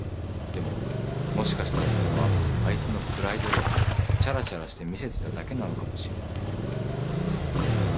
でももしかしたらそれはあいつのプライドでちゃらちゃらして見せてただけなのかもしれない。